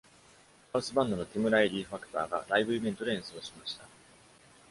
ハウスバンドのティム・ライリー・ファクターがライブイベントで演奏しました。